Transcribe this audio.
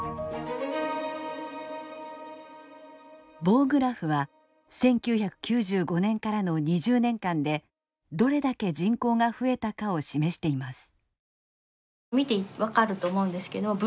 棒グラフは１９９５年からの２０年間でどれだけ人口が増えたかを示しています。